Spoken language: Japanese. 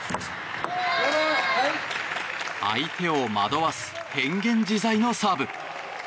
相手を惑わす変幻自在のサーブ。